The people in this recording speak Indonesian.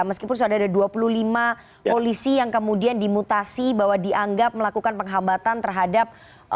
meskipun sudah ada dua puluh lima polisi yang kemudian dimutasi bahwa dianggap melakukan penghambatan terhadap